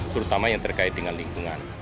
terutama yang terkait dengan lingkungan